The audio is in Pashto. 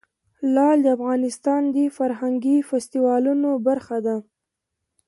لعل د افغانستان د فرهنګي فستیوالونو برخه ده.